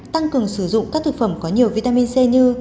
tăng cường sử dụng các thực phẩm có nhiều vitamin c như